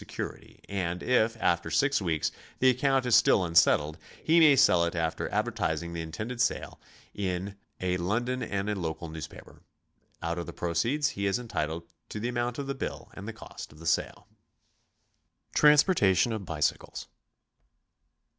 security; and if, after six weeks, the account is still un settled, he may sell it after advertising the intended sale in a London and a local newspaper. Out of the proceeds he is entitled to the amount of the bill and the cost of the sale. TRANSPORTATION OF BICYCLES.